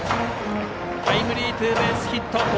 タイムリーツーベースヒット。